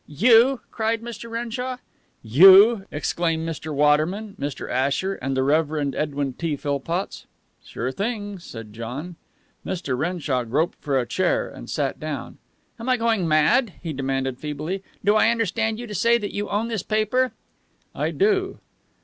"You!" cried Mr. Renshaw. "You!" exclaimed Mr. Waterman, Mr. Asher, and the Reverend Edwin T. Philpotts. "Sure thing," said John. Mr. Renshaw groped for a chair, and sat down. "Am I going mad?" he demanded feebly. "Do I understand you to say that you own this paper?" "I do."